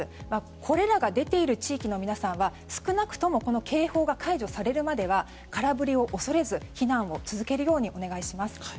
これらが出ている地域の皆さんは少なくとも警報が解除されるまでは空振りを恐れず避難を続けるようお願いします。